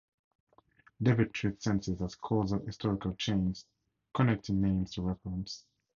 Devitt treats senses as causal-historical chains connecting names to referents.